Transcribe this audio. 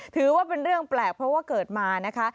ถือว่าเป็นเรื่องแปลกเพราะว่าเกิดมานะคะ